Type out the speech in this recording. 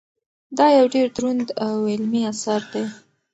دا یو ډېر دروند او علمي اثر دی.